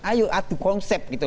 ayo aktu konsep gitu